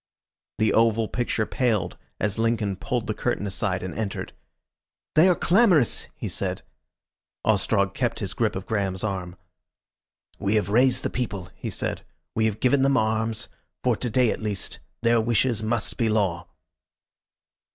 The oval picture paled as Lincoln pulled the curtain aside and entered. "They are clamorous," he said. Ostrog kept his grip of Graham's arm. "We have raised the people," he said. "We have given them arms. For to day at least their wishes must be law."